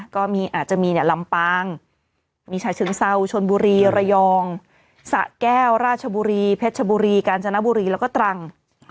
ก็อาจจะมีลำปางมีฉะเชิงเซาชนบุรีระยองสะแก้วราชบุรีเพชรชบุรีกาญจนบุรีแล้วก็ตรัง